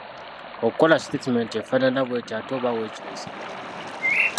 Okukola siteetimenti efaanana bw’etyo ate oba weekyayisa mu bantu.